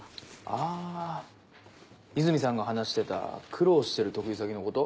あ泉さんが話してた苦労してる得意先のこと？